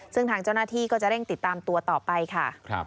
ซึ่งทางเจ้าหน้าที่ก็จะเร่งติดตามตัวต่อไปค่ะ